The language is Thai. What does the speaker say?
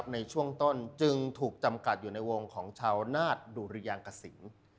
ในช่วงต้นจึงถูกจำกัดอยู่ในวงของชาวนาศดุริยางกสิน